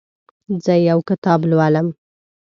زه یو کتاب لولم.